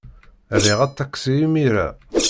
Riɣ aṭaksi imir-a.